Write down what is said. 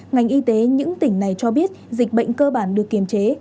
ngành y tế những tỉnh này cho biết dịch bệnh cơ bản được kiềm chế